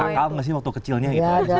wani ini matal gak sih waktu kecilnya